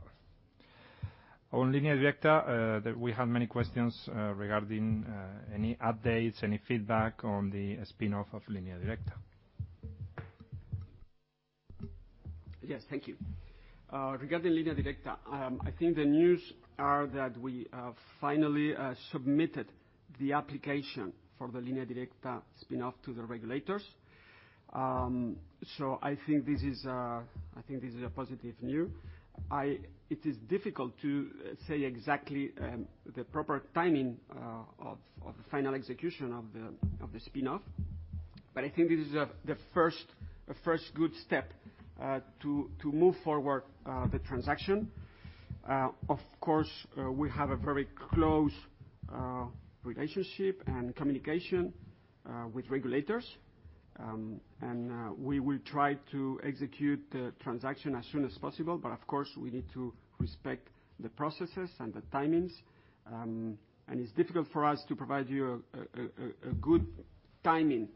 On Línea Directa, we have many questions regarding any updates, any feedback on the spin-off of Línea Directa. Yes, thank you. Regarding Línea Directa, I think the news are that we have finally submitted the application for the Línea Directa spin-off to the regulators. I think this is a positive news. It is difficult to say exactly the proper timing of the final execution of the spin-off, but I think this is a first good step to move forward the transaction. Of course, we have a very close relationship and communication with regulators. We will try to execute the transaction as soon as possible, but of course, we need to respect the processes and the timings. It's difficult for us to provide you a good timing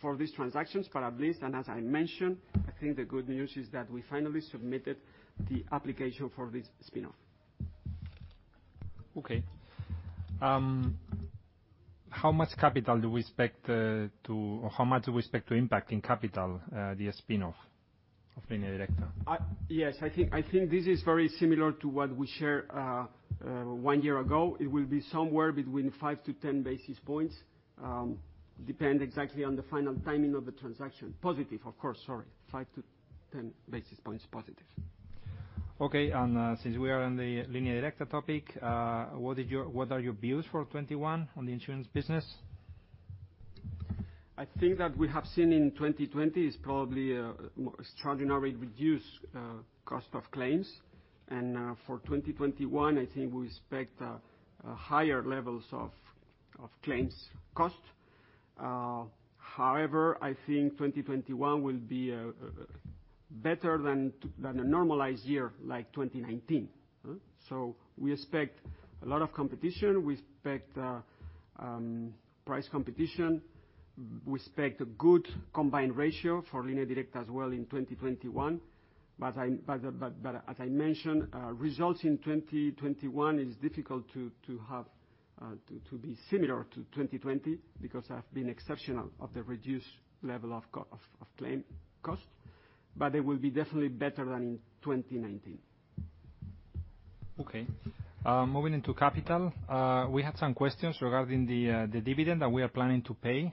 for these transactions, but at least, as I mentioned, I think the good news is that we finally submitted the application for this spin-off. Okay. How much do we expect to impact in capital, the spin-off of Línea Directa? Yes. I think this is very similar to what we shared one year ago. It will be somewhere between 5-10 basis points. Depend exactly on the final timing of the transaction. Positive, of course, sorry. 5-10 basis points positive. Okay. Since we are on the Línea Directa topic, what are your views for 2021 on the insurance business? I think that we have seen in 2020 is probably extraordinary reduced cost of claims. For 2021, I think we expect higher levels of claims cost. However, I think 2021 will be better than a normalized year, like 2019. We expect a lot of competition. We expect price competition. We expect a good combined ratio for Línea Directa as well in 2021. As I mentioned, results in 2021 is difficult to be similar to 2020 because have been exceptional of the reduced level of claim cost. They will be definitely better than in 2019. Okay. Moving into capital. We had some questions regarding the dividend that we are planning to pay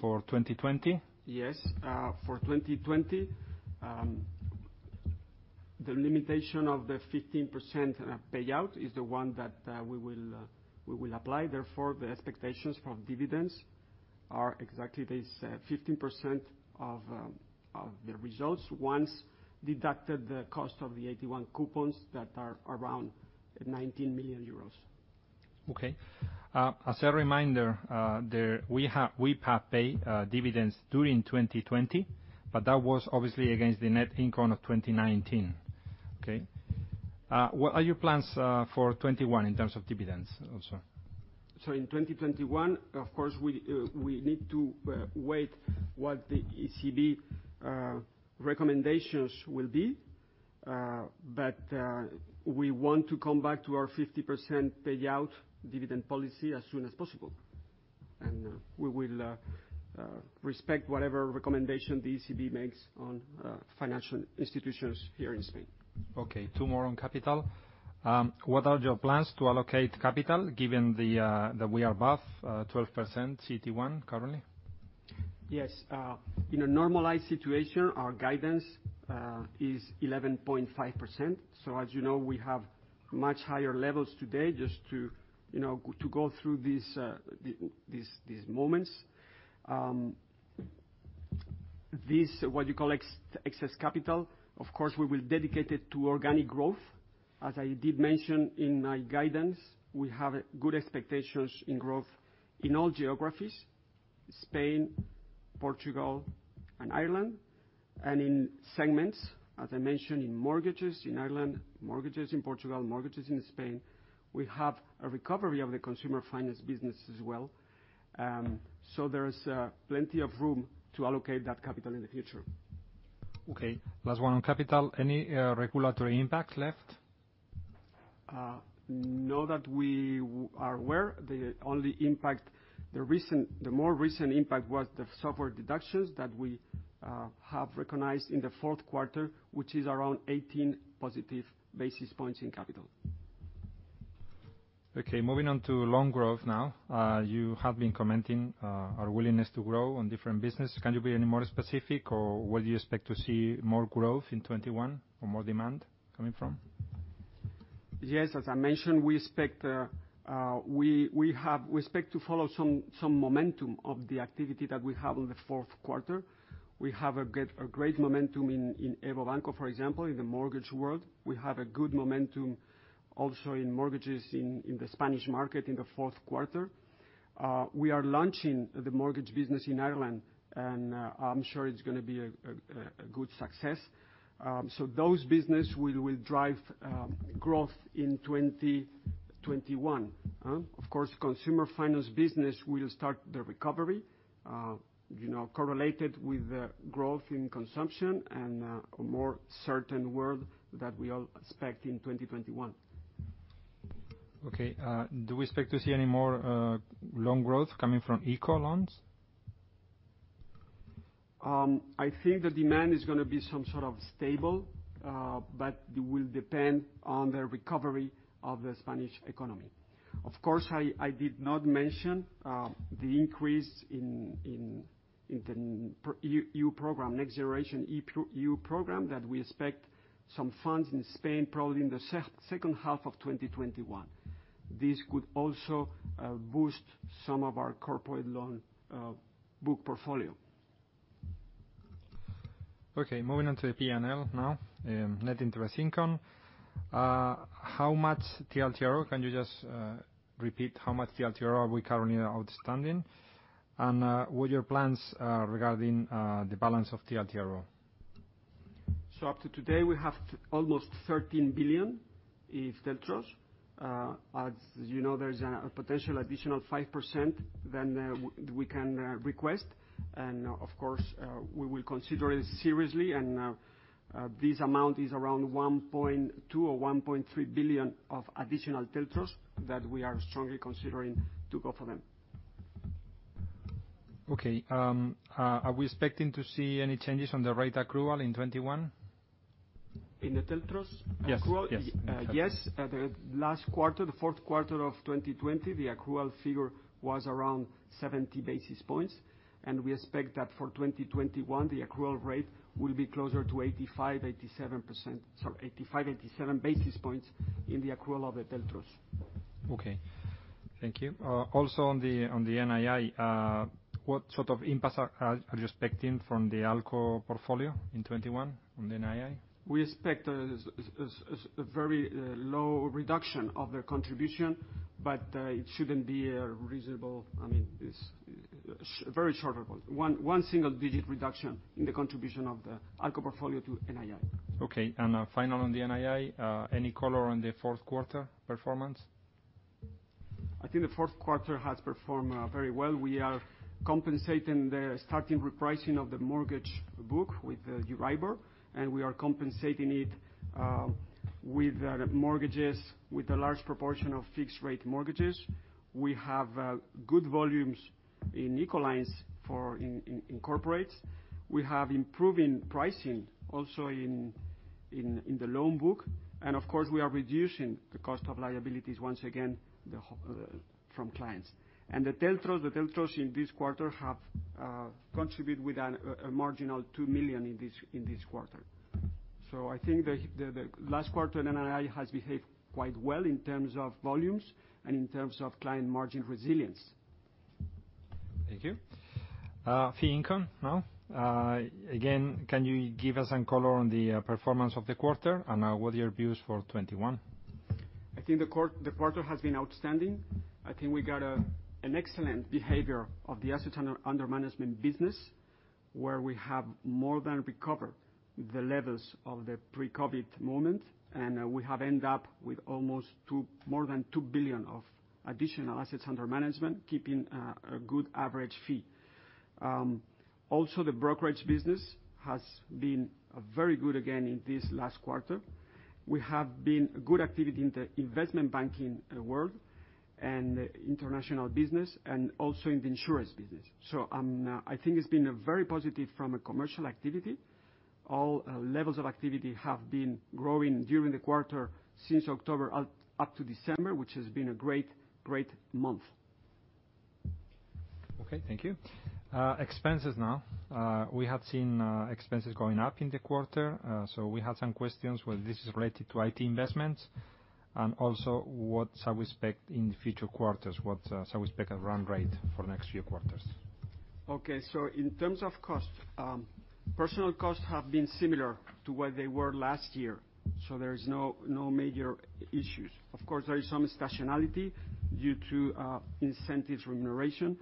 for 2020. Yes. For 2020, the limitation of the 15% payout is the one that we will apply, therefore, the expectations for dividends are exactly this, 15% of the results, once deducted the cost of the AT1 coupons that are around 19 million euros. Okay. As a reminder, we have paid dividends during 2020, but that was obviously against the net income of 2019. Okay? What are your plans for 2021 in terms of dividends also? In 2021, of course, we need to wait what the ECB recommendations will be. We want to come back to our 50% payout dividend policy as soon as possible. We will respect whatever recommendation the ECB makes on financial institutions here in Spain. Okay. Two more on capital. What are your plans to allocate capital given that we are above 12% CET1 currently? Yes. In a normalized situation, our guidance is 11.5%. As you know, we have much higher levels today just to go through these moments. This, what you call excess capital, of course, we will dedicate it to organic growth. As I did mention in my guidance, we have good expectations in growth in all geographies, Spain, Portugal, and Ireland, and in segments, as I mentioned, in mortgages in Ireland, mortgages in Portugal, mortgages in Spain. We have a recovery of the consumer finance business as well. There is plenty of room to allocate that capital in the future. Okay. Last one on capital. Any regulatory impact left? Not that we are aware. The more recent impact was the software deductions that we have recognized in the fourth quarter, which is around 18 positive basis points in capital. Moving on to loan growth now. You have been commenting our willingness to grow on different business. Can you be any more specific, or where do you expect to see more growth in 2021 or more demand coming from? Yes. As I mentioned, we expect to follow some momentum of the activity that we have on the fourth quarter. We have a great momentum in EVO Banco, for example, in the mortgage world. We have a good momentum also in mortgages in the Spanish market in the fourth quarter. We are launching the mortgage business in Ireland, and I'm sure it's going to be a good success. Those business will drive growth in 2021. Of course, consumer finance business will start the recovery, correlated with growth in consumption and a more certain world that we all expect in 2021. Okay. Do we expect to see any more loan growth coming from ICO loans? I think the demand is going to be somewhat stable. It will depend on the recovery of the Spanish economy. Of course, I did not mention the increase in the EU program, Next Generation EU program, that we expect some funds in Spain probably in the second half of 2021. This could also boost some of our corporate loan book portfolio. Okay. Moving on to the P&L now. Net interest income. Can you just repeat how much TLTRO are we currently outstanding? What are your plans regarding the balance of TLTRO? Up to today, we have almost 13 billion in TLTROs. As you know, there is a potential additional 5% than we can request. Of course, we will consider it seriously, and this amount is around 1.2 billion or 1.3 billion of additional TLTROs that we are strongly considering to go for them. Okay. Are we expecting to see any changes on the rate accrual in 2021? In the TLTROs accrual? Yes. Yes. The last quarter, the fourth quarter of 2020, the accrual figure was around 70 basis points, and we expect that for 2021, the accrual rate will be closer to 85, 87 basis points in the accrual of the TLTROs. Okay. Thank you. Also on the NII, what sort of impacts are you expecting from the ALCO portfolio in 2021 on the NII? We expect a very low reduction of their contribution, but it shouldn't be reasonable. It's very short, one single-digit reduction in the contribution of the ALCO portfolio to NII. Okay. Final on the NII, any color on the fourth quarter performance? I think the fourth quarter has performed very well. We are compensating the starting repricing of the mortgage book with Euribor, and we are compensating it with mortgages with a large proportion of fixed-rate mortgages. We have good volumes in ICO lines for in corporates. We have improving pricing also in the loan book. Of course, we are reducing the cost of liabilities, once again, from clients. The TLTROs in this quarter have contribute with a marginal 2 million in this quarter. I think the last quarter, NII has behaved quite well in terms of volumes and in terms of client margin resilience. Thank you. Fee income now. Can you give us some color on the performance of the quarter, and what are your views for 2021? I think the quarter has been outstanding. I think we got an excellent behavior of the assets under management business, where we have more than recovered the levels of the pre-COVID moment, and we have ended up with more than 2 billion of additional assets under management, keeping a good average fee. The brokerage business has been very good again in this last quarter. We have good activity in the investment banking world, and the international business, and also in the insurance business. I think it's been very positive from a commercial activity. All levels of activity have been growing during the quarter since October up to December, which has been a great month. Okay. Thank you. Expenses now. We have seen expenses going up in the quarter. We have some questions whether this is related to IT investments, and also what shall we expect in future quarters, what shall we expect a run rate for the next few quarters. Okay. In terms of cost, personal costs have been similar to what they were last year, there is no major issues. Of course, there is some seasonality due to incentives remuneration.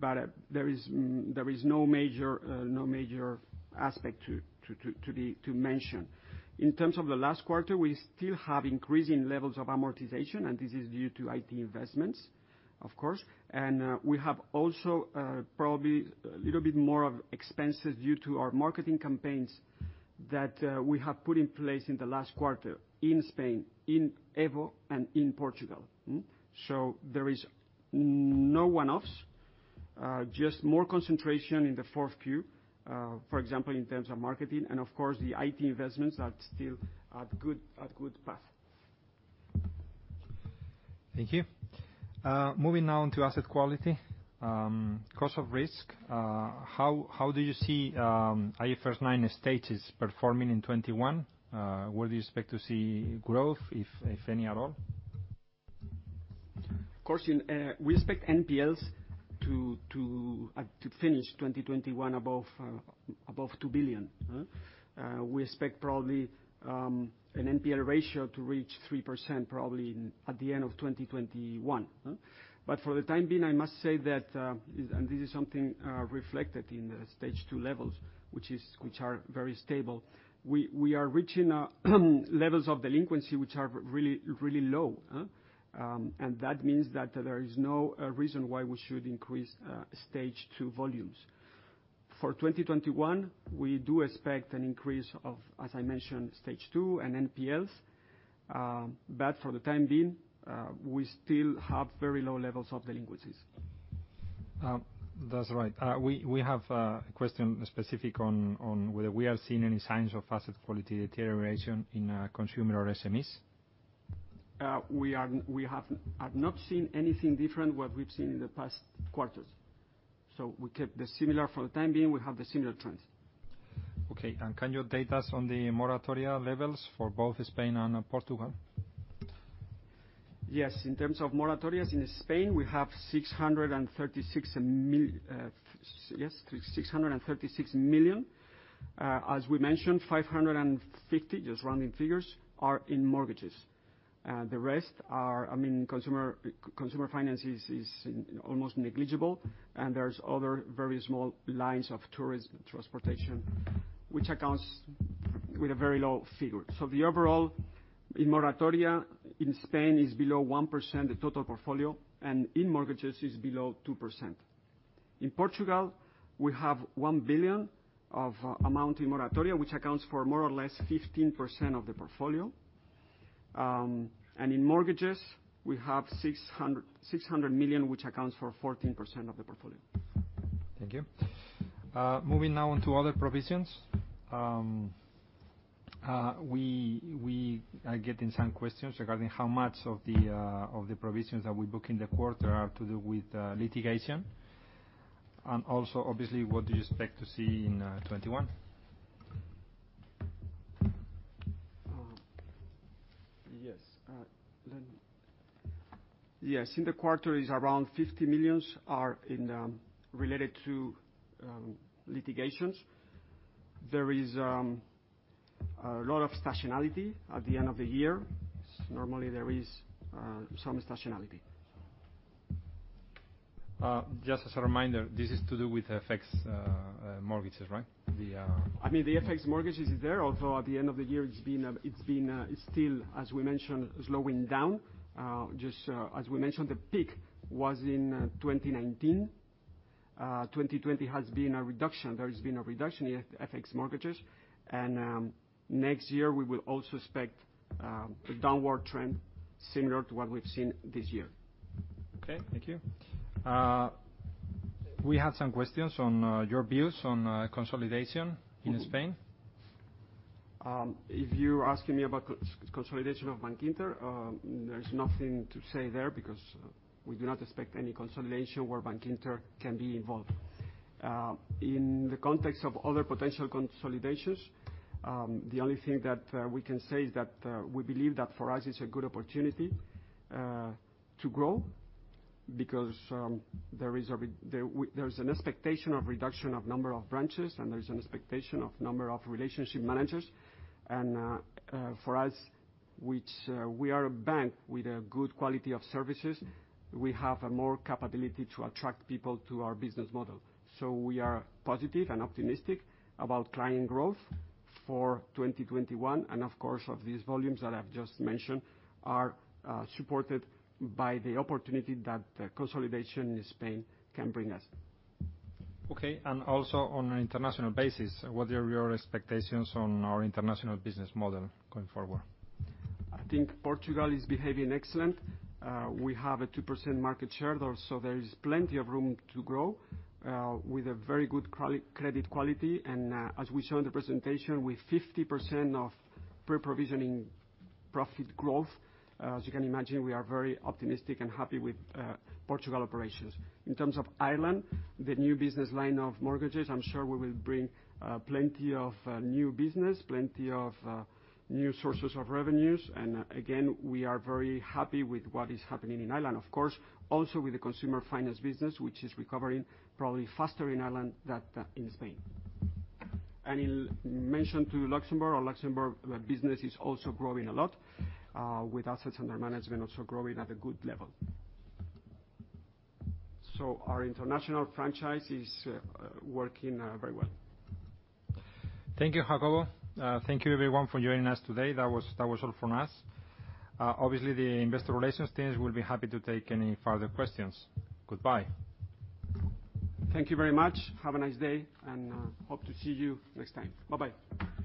There is no major aspect to mention. In terms of the last quarter, we still have increasing levels of amortization, and this is due to IT investments, of course. We have also, probably, a little bit more of expenses due to our marketing campaigns that we have put in place in the last quarter in Spain, in EVO, and in Portugal. There is no one-offs, just more concentration in the 4Q, for example, in terms of marketing, and of course, the IT investments are still at good path. Thank you. Moving now into asset quality. Cost of risk. How do you see IFRS 9 Stages performing in 2021? Where do you expect to see growth, if any at all? We expect NPLs to finish 2021 above 2 billion. We expect probably an NPL ratio to reach 3% at the end of 2021. For the time being, I must say that, and this is something reflected in the Stage 2 levels, which are very stable, we are reaching levels of delinquency which are really low. That means that there is no reason why we should increase Stage 2 volumes. For 2021, we do expect an increase of, as I mentioned, Stage 2 and NPLs. For the time being, we still have very low levels of delinquencies. That's right. We have a question specific on whether we are seeing any signs of asset quality deterioration in consumer or SMEs. We have not seen anything different what we've seen in the past quarters. For the time being, we have the similar trends. Okay. Can you update us on the moratoria levels for both Spain and Portugal? Yes. In terms of moratorias, in Spain, we have 636 million. As we mentioned, 550, just rounding figures, are in mortgages. The rest are in consumer finances, is almost negligible. There's other very small lines of tourism, transportation, which accounts with a very low figure. The overall moratoria in Spain is below 1% of total portfolio, and in mortgages is below 2%. In Portugal, we have 1 billion of amount in moratoria, which accounts for more or less 15% of the portfolio. In mortgages, we have 600 million, which accounts for 14% of the portfolio. Thank you. Moving now on to other provisions. I'm getting some questions regarding how much of the provisions that we book in the quarter are to do with litigation, and also, obviously, what do you expect to see in 2021? Yes. In the quarter, 50 million are related to litigations. There is a lot of seasonality at the end of the year. Normally there is some seasonality. Just as a reminder, this is to do with FX mortgages, right? I mean, the FX mortgages is there, although at the end of the year, it's been still, as we mentioned, slowing down. Just as we mentioned, the peak was in 2019. 2020 has been a reduction. There has been a reduction in FX mortgages. Next year, we will also expect a downward trend similar to what we've seen this year. Okay. Thank you. We have some questions on your views on consolidation in Spain. If you're asking me about consolidation of Bankinter, there's nothing to say there because we do not expect any consolidation where Bankinter can be involved. In the context of other potential consolidations, the only thing that we can say is that we believe that for us it's a good opportunity to grow, because there is an expectation of reduction of number of branches, and there is an expectation of number of relationship managers. For us, we are a bank with a good quality of services. We have more capability to attract people to our business model. We are positive and optimistic about client growth for 2021, and of course, of these volumes that I've just mentioned are supported by the opportunity that consolidation in Spain can bring us. Okay, also on an international basis, what are your expectations on our international business model going forward? I think Portugal is behaving excellent. We have a 2% market share there. There is plenty of room to grow, with a very good credit quality. As we show in the presentation, with 50% of pre-provisioning profit growth. As you can imagine, we are very optimistic and happy with Portugal operations. In terms of Ireland, the new business line of mortgages, I'm sure will bring plenty of new business, plenty of new sources of revenues, and again, we are very happy with what is happening in Ireland. Of course, also with the consumer finance business, which is recovering probably faster in Ireland than in Spain. You mentioned too Luxembourg. Luxembourg business is also growing a lot, with assets under management also growing at a good level. Our international franchise is working very well. Thank you, Jacobo. Thank you everyone for joining us today. That was all from us. Obviously, the investor relations teams will be happy to take any further questions. Goodbye. Thank you very much. Have a nice day, and hope to see you next time. Bye-bye.